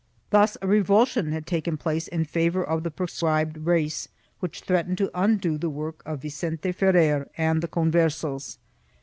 1 Thus a revulsion had taken place in favor of the proscribed race which threatened to undo the work of Vicente Ferrer and the Con versos.